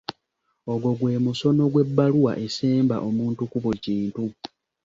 Ogwo gwe musono gw'ebbaluwa esemba omuntu ku buli kintu.